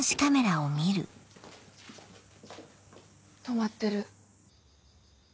止まってる。